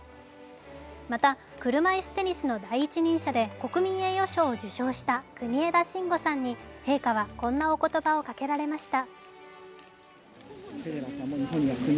また車いすテニスの第一人者で国民栄誉賞を受賞した国枝慎吾さんに陛下はこんなおことばをかけられました。